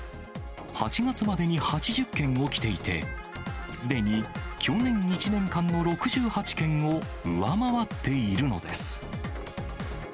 ８月までに８０件起きていて、すでに去年１年間の６８件を上回っているのです。